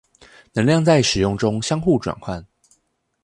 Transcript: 能量在使用中相互轉換